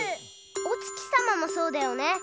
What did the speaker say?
おつきさまもそうだよね。